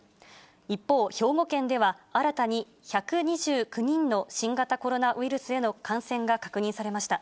一方、兵庫県では新たに１２９人の新型コロナウイルスへの感染が確認されました。